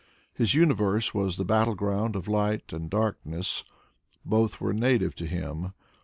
His universe was the battle ground of light and darkness. Both were' native to him.